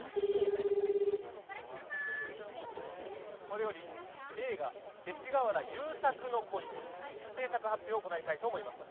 これより映画『勅使河原優作の恋』製作発表を行いたいと思います。